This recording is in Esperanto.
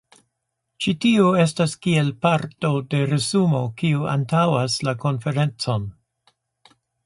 Ĉi tio estas kiel parto de resumo kiu antaŭas la konferencon.